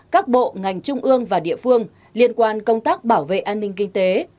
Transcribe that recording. các bộ ngành trung ương và địa phương liên quan công tác bảo vệ an ninh kinh tế